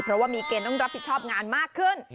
เพราะว่ามีเกณฑ์ต้องรับผิดชอบงานมากขึ้น